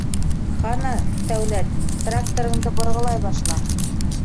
— Ҡана, Тәүләт, тракторыңды борғолай башла!